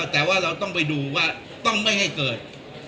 แต่ว่าเราต้องไปดูว่าต้องไม่ให้เกิด